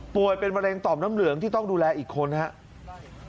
ป่วยเป็นบรรเนคต่อมน้ำเหลืองที่ต้องดูแลอีกคนครับ